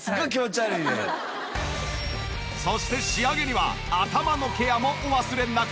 そして仕上げには頭のケアもお忘れなく。